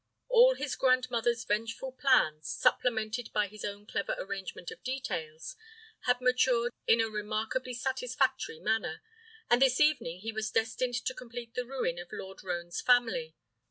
All his grandmother's vengeful plans, supplemented by his own clever arrangement of details, had matured in a remarkably satisfactory manner, and this evening he was destined to complete the ruin of Lord Roane's family.